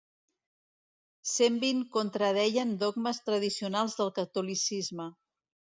Cent vint contradeien dogmes tradicionals del catolicisme.